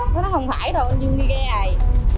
nó nói không phải đâu anh dương đi ghe này